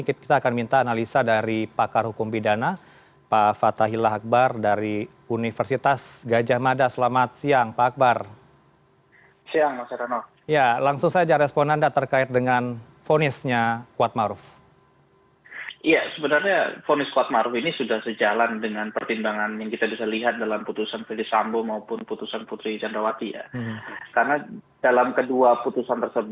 kita akan minta analisa dari pakar hukum bidana pak fathahillah akbar dari universitas gajah mada selamat siang pak akbar